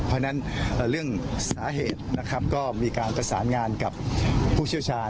เพราะฉะนั้นเรื่องสาเหตุนะครับก็มีการประสานงานกับผู้เชี่ยวชาญ